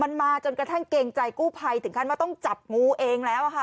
มันมาจนกระทั่งเกรงใจกู้ภัยถึงขั้นว่าต้องจับงูเองแล้วค่ะ